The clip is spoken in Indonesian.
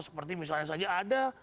seperti misalnya saja ada